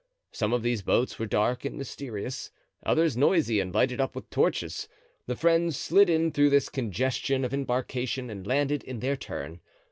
Some of these boats were dark and mysterious, others noisy and lighted up with torches. The friends slid in through this congestion of embarkation and landed in their turn.